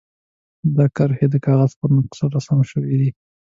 دا کرښې د کاغذ پر نقشه رسم شوي دي.